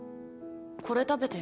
これ食べて。